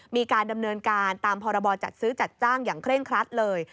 มีการดำเนินการตามพรบจัดซื้อจัดจ้างอย่างเคร่งครัดเลย